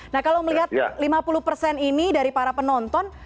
nah kalau melihat lima puluh persen ini dari para penonton